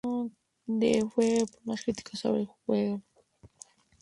Los colaboradores occidentales fueron más críticos sobre el juego.